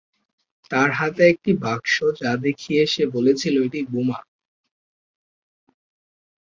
তার হাতে একটি বাক্স যা দেখিয়ে সে বলেছিল এটি বোমা।